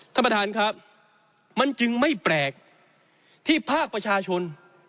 ท่านประธานครับมันจึงไม่แปลกที่ภาคประชาชน